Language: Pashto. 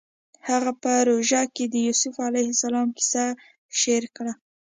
هغه په روژه کې د یوسف علیه السلام کیسه شعر کړه